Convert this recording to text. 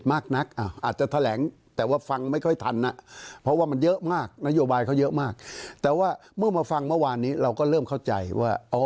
ตอนเมื่อวานนี้เราก็เริ่มเข้าใจว่า